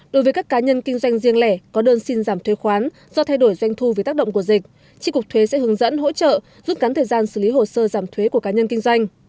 đối với các cá nhân kinh doanh riêng lẻ có đơn xin giảm thuế khoán do thay đổi doanh thu vì tác động của dịch tri cục thuế sẽ hướng dẫn hỗ trợ giúp gắn thời gian xử lý hồ sơ giảm thuế của cá nhân kinh doanh